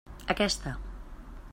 Aquesta.